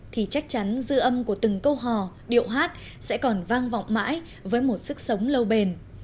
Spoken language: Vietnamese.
thì chắc chắn dư âm của từng câu hò điệu hát sẽ còn vang vọng mãi với một sức sống lâu bền